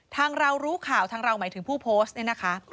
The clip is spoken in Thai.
ทางเรารู้ข่าวทางเราหมายถึงผู้โพสต์เนี่ยนะคะ